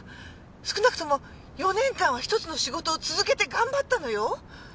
少なくとも４年間はひとつの仕事を続けて頑張ったのよ！